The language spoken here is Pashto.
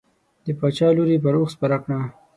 د باچا لور یې پر اوښ سپره کړه.